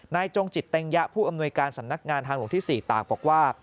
จงจิตเต็งยะผู้อำนวยการสำนักงานทางหลวงที่๔ต่างบอกว่า